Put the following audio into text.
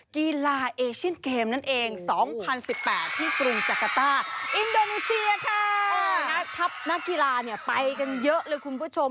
คนคนทับนะกีฬาไปกันเยอะเลยคุณผู้ชม